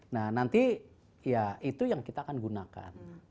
nah nanti ya itu yang kita akan gunakan